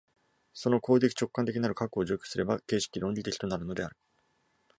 その行為的直観的なる核を除去すれば形式論理的となるのである。